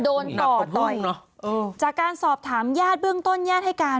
ก่อต่อต่อยจากการสอบถามญาติเบื้องต้นญาติให้การ